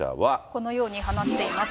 このように話しています。